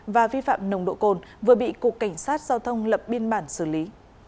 và vi phạm nồng độ cồn vừa bị cục cảnh sát giao thông lập biên bản xử lý